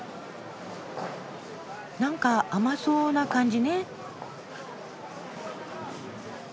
なんか甘そうな感じね。